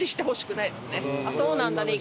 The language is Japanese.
「そうなんだね。